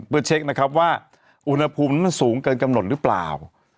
เพื่อเช็คนะครับว่าอุณหภูมินั้นสูงเกินกำหนดหรือเปล่า